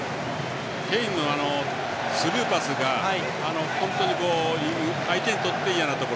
ケインのスルーパスが相手にとって嫌なところ。